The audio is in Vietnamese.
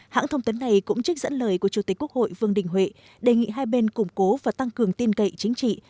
hãng thông tấn này cũng trích dẫn lời của chủ tịch quốc hội vương đình huệ đề nghị hai bên củng cố và tăng cường tin cậy chính trị